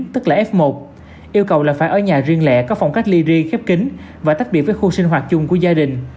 tức là f một yêu cầu là phải ở nhà riêng lẻ có phòng cách ly riêng khép kính và tách biệt với khu sinh hoạt chung của gia đình